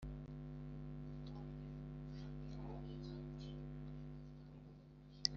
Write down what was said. Inyuguti n'imibarwa bigize inyandiko imaze kuvugwa